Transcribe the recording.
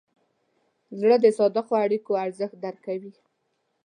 زړه د صادقو اړیکو ارزښت درک کوي.